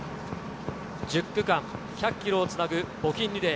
１０区間１００キロをつなぐ募金リレー。